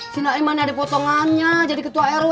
si naim mana ada potongannya jadi ketua rw